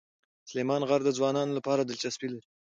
سلیمان غر د ځوانانو لپاره دلچسپي لري.